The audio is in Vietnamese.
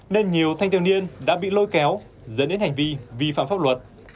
nên nhiều thanh thiếu niên đã bị lôi kéo dẫn đến hành vi vi phạm pháp luật